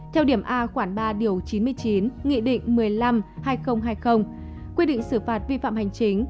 theo điểm a khoảng ba điều chín mươi chín nghị định một mươi năm hai nghìn hai mươi quy định xử phạt vi phạm hành chính